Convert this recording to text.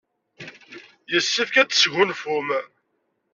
Yessefk ad tesgunfum.